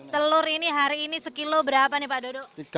telur ini hari ini sekilo berapa nih pak dodo